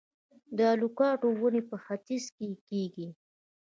د لوکاټ ونې په ختیځ کې کیږي؟